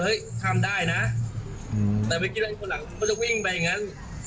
เฮ้ยข้ามได้นะอืมแต่ไม่คิดว่าคนหลังมันจะวิ่งไปอย่างงั้น